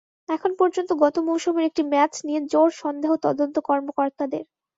এখন পর্যন্ত গত মৌসুমের একটি ম্যাচ নিয়ে জোর সন্দেহ তদন্ত কর্মকর্তাদের।